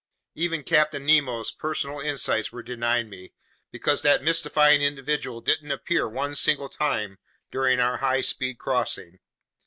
Even Captain Nemo's personal insights were denied me, because that mystifying individual didn't appear one single time during our high speed crossing.